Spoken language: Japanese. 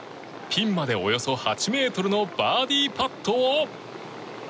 ピンまでおよそ８ｍのバーディーパットを。